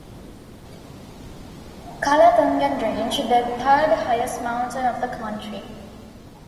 Kalatungan Range, the third highest mountain of the country.